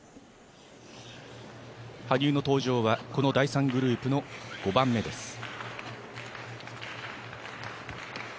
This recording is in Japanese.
羽生の登場はこの第３グループの５番目です。